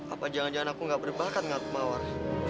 apa jangan jangan aku tidak berbakat mengatuk mawar